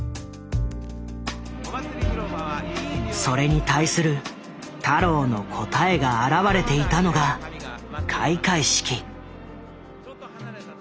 それに対する太郎の答えが表れていたのが開会式。